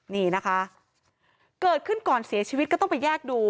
นี่นะคะเกิดขึ้นก่อนเสียชีวิตก็ต้องไปแยกดู